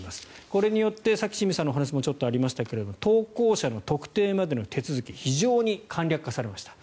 これによって、さっき清水さんの話にもありましたが投稿者の特定までの手続き非常に簡略化されました。